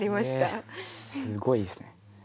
すごいですね。